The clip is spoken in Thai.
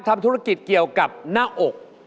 ทำธุรกิจเกี่ยวกับหน้าอก